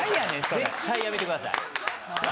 絶対やめてください。